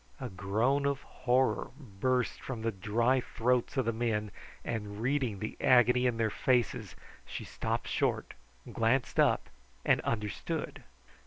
A groan of horror burst from the dry throats of the men, and reading the agony in their faces, she stopped short, glanced up, and understood.